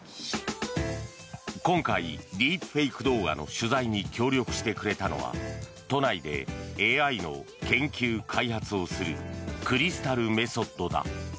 今回、ディープフェイク動画の取材に協力してくれたのは都内でＡＩの研究・開発をするクリスタルメソッドだ。